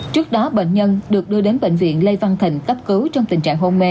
trước đó bệnh nhân được đưa đến bệnh viện lê văn thịnh cấp cứu trong tình trạng hôn mê